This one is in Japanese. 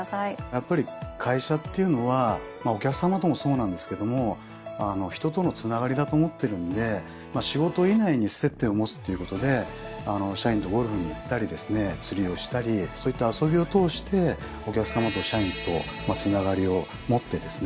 やっぱり会社っていうのはお客さまともそうなんですけども人とのつながりだと思ってるんで仕事以外に接点を持つっていうことで社員とゴルフに行ったりですね釣りをしたりそういった遊びを通してお客さまと社員とつながりを持ってですね